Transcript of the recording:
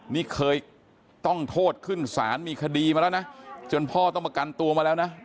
นี่เคยต้องโทษขึ้นศาลมีคดีมาแล้วนะจนพ่อต้องประกันตัวมาแล้วนะ